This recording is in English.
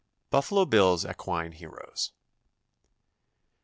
BUFFALO BILL'S EQUINE HEROES.